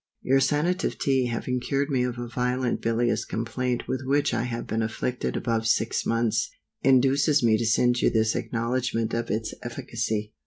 _ YOUR Sanative Tea having cured me of a violent bilious complaint with which I had been afflicted above six months, induces me to send you this acknowledgement of its efficacy.